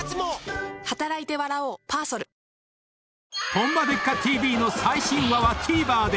［『ホンマでっか⁉ＴＶ』の最新話はＴＶｅｒで！